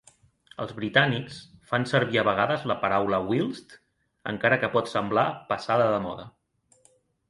Els britànics fan servir a vegades la paraula whilst, encara que pot semblar passada de moda.